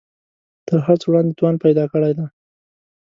تر هر څه وړاندې توان پیدا کړی دی